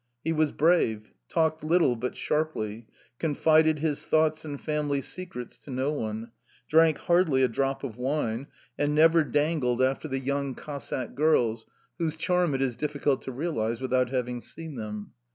He was brave; talked little, but sharply; confided his thoughts and family secrets to no one; drank hardly a drop of wine; and never dangled after the young Cossack girls, whose charm it is difficult to realise without having seen them.